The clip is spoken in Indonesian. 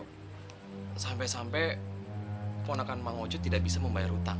kondisi dari keponakan bang ojo tidak bisa membayar utang